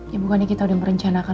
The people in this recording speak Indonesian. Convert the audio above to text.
ya bukannya kita udah merencanakan